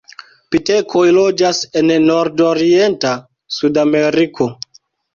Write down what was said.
Pitekoj loĝas en nordorienta Sudameriko.